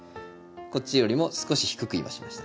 こっちよりも少し低く今しましたね